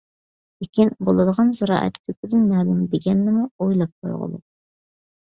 لېكىن، بولىدىغان زىرائەت كۆكىدىن مەلۇم دېگەننىمۇ ئويلاپ قويغۇلۇق!